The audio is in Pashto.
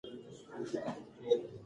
کمرې د ټولو خلکو پام ځان ته اړولی.